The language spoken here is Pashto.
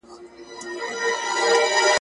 مرګ مشر او کشر ته نه ګوري ,